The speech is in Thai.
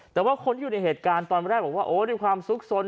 แต่ว่าคนที่อยู่ในเหตุการณ์ตอนแรกบอกว่าโอ้ด้วยความสุขสน